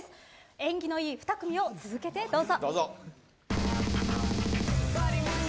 縁起のいい２組を続けてどうぞ！